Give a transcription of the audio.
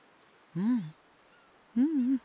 うんうん。